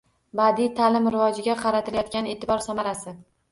Badiiy ta’lim rivojiga qaratilayotgan e’tibor samarasi